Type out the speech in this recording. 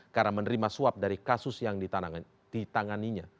karena menerima suap dari kasus yang ditanganinya